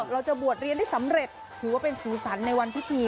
เราจะบวชเรียนได้สำเร็จถือว่าเป็นสีสันในวันพิธี